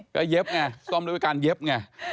ได้เย็บไงทำเรื่องการเย็บไง